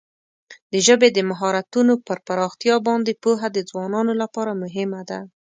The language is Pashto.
د ژبې د مهارتونو پر پراختیا باندې پوهه د ځوانانو لپاره مهمه ده.